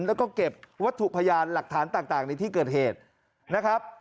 แล้วก็เก็บวัตถุพยานหลักฐานต่างในที่เกิดเหตุนะครับ